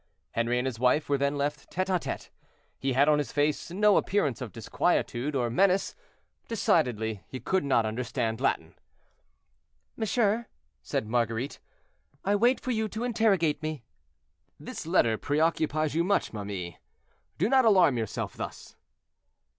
Henri and his wife were then left tete à tete. He had on his face no appearance of disquietude or menace; decidedly he could not understand Latin. "Monsieur," said Marguerite, "I wait for you to interrogate me." "This letter preoccupies you much, ma mie; do not alarm yourself thus."